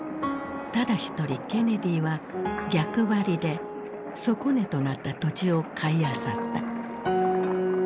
ただ一人ケネディは逆張りで底値となった土地を買いあさった。